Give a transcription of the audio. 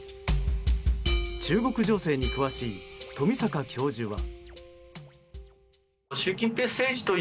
中国情勢に詳しい富坂教授は。